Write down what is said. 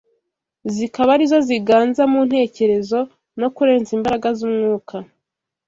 zikaba arizo ziganza mu ntekerezo no kurenza imbaraga z’umwuka